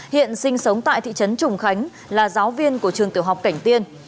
hiện sinh sống tại thị trấn trùng khánh là giáo viên của trường tiểu học cảnh tiên